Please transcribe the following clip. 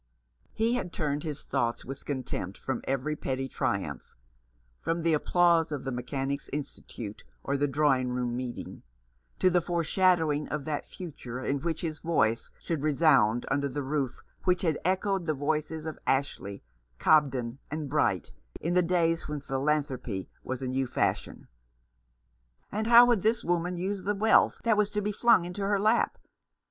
He had turned his thoughts with contempt from every petty triumph — from the applause of the Mechanics' Institute or the Drawing room Meeting, to the foreshadowing of that future in which his voice should resound under the roof which had echoed the voices of Ashley, Cobden, and Bright, in the days when philanthropy was a new fashion. And how would this woman use the wealth that was to be flung into her lap